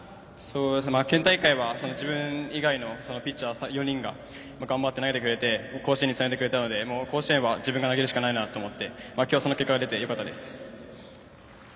県大会は自分以外のピッチャー４人が頑張って投げてくれて甲子園につないでくれたので甲子園は自分が投げるしかないなと思って今日その結果が出てよかったです。